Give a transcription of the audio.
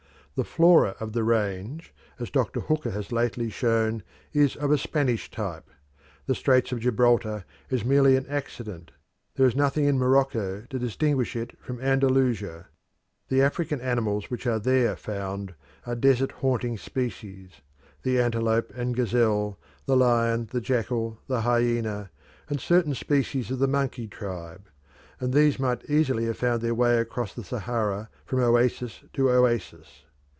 The flora of the range, as Dr. Hooker has lately shown, is of a Spanish type; the Straits of Gibraltar is merely an accident; there is nothing in Morocco to distinguish it from Andalusia. The African animals which are there found are desert haunting species the antelope and gazelle, the lion, the jackal, the hyena, [spelt hyaena in original text] and certain species of the monkey tribe; and these might easily have found their way across the Sahara from oasis to oasis.